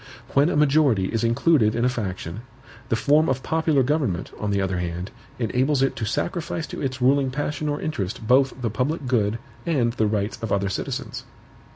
When a majority is included in a faction, the form of popular government, on the other hand, enables it to sacrifice to its ruling passion or interest both the public good and the rights of other citizens.